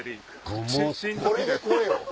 これでこれよ。